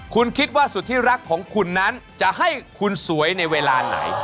คุณคิดว่าสุดที่รักของคุณนั้นจะให้คุณสวยในเวลาไหน